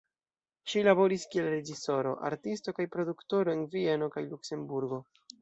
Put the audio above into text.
Ŝi laboris kiel reĝisoro, artisto kaj produktoro en Vieno kaj Luksemburgo.